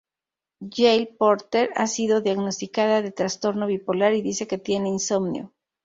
Gail Porter ha sido diagnosticada de trastorno bipolar, y dice que tiene insomnio.